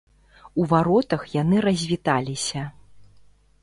У варотах яны развіталіся.